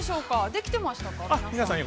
できてましたか、皆さん。